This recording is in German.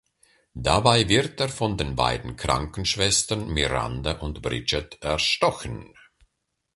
Dabei wird er von den beiden Krankenschwestern Miranda und Bridget erstochen.